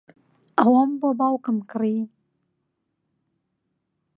ئەوەم بۆ باوکم کڕی.